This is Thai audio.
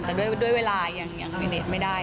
แต่ด้วยเวลายังยังไม่ได้